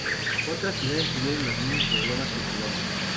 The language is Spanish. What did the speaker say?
Otras ciudades tuvieron los mismos problemas que Choloma.